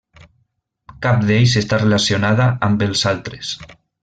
Cap d'ells està relacionada amb els altres.